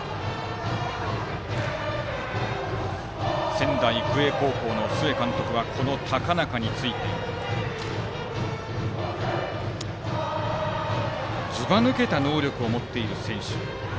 仙台育英高校の須江監督はこの高中についてずばぬけた能力を持っている選手。